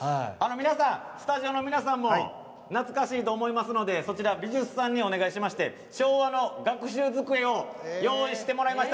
スタジオの皆さんも懐かしいと思いますので美術さんにお願いしまして昭和の学習机を用意していただきました。